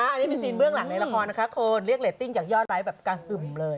อันนี้เป็นซีนเบื้องหลังในละครนะคะคุณเรียกเรตติ้งจากยอดไลค์แบบกระหึ่มเลย